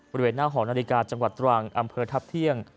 บริเวณหน้าหอนาฬิกาจังหวัดตรังอำเภอทัพเที่ยง